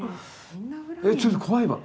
えちょっと怖いわ。